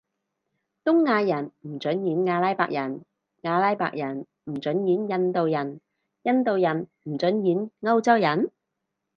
東亞人唔准演阿拉伯人，阿拉伯人唔准演印度人，印度人唔准演歐洲人？